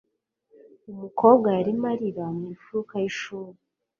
umukobwa yarimo arira mu mfuruka y'ishuri